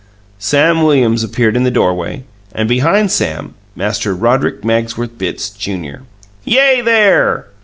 Sam Williams appeared in the doorway, and, behind Sam, Master Roderick Magsworth Bitts, Junior. "Yay, there!"